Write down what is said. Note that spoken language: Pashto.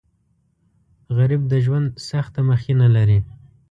غریب د ژوند سخته مخینه لري